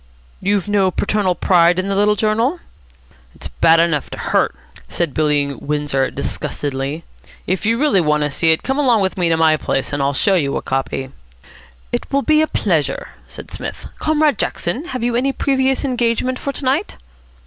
"You've no paternal pride in the little journal?" "It's bad enough to hurt," said Billy Windsor disgustedly. "If you really want to see it, come along with me to my place, and I'll show you a copy." "It will be a pleasure," said Psmith. "Comrade Jackson, have you any previous engagement for to night?"